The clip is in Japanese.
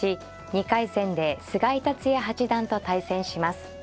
２回戦で菅井竜也八段と対戦します。